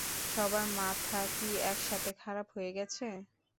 সবার মাথা কি একসাথে খারাপ হয়ে গেছে?